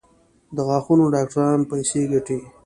د غاښونو ډاکټران پیسې ګټي؟